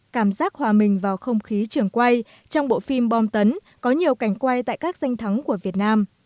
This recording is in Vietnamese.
cảm giác hòa mình vào không khí trường quay trong bộ phim bom tấn có nhiều cảnh quay tại các danh thắng của việt nam